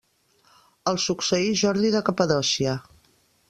El succeí Jordi de Capadòcia.